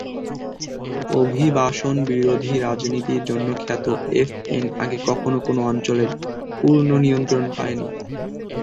অভিবাসনবিরোধী রাজনীতির জন্য খ্যাত এফএন আগে কখনো কোনো অঞ্চলের পূর্ণ নিয়ন্ত্রণ পায়নি।